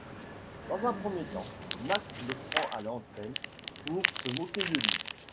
Dans un premier temps, Max le prend à l'antenne pour se moquer de lui.